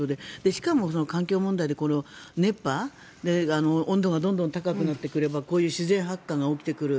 しかも、環境問題で、この熱波で温度がどんどん高くなってくればこういう自然発火が起きてくる。